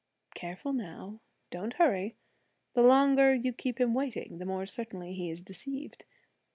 Careful now! don't hurry; the longer you keep him waiting, the more certainly he is deceived.